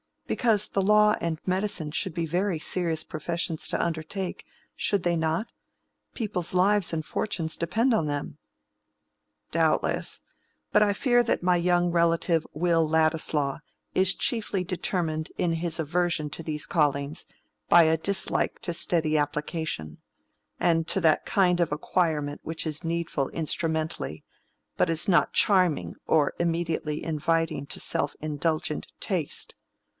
"Because the law and medicine should be very serious professions to undertake, should they not? People's lives and fortunes depend on them." "Doubtless; but I fear that my young relative Will Ladislaw is chiefly determined in his aversion to these callings by a dislike to steady application, and to that kind of acquirement which is needful instrumentally, but is not charming or immediately inviting to self indulgent taste.